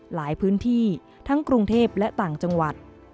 หลายพื้นที่ทั้งกรุงเทพและต่างจังหวัด